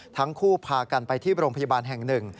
ทั้งคู่พากันไปที่โรงพยาบาลแห่งหนึ่ง